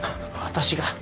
私が。